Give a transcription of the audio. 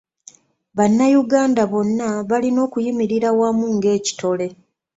Bannayuganda bonna balina okuyimirira wamu ng'ekitole.